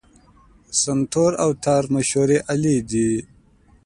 سنتور او تار مشهورې الې دي.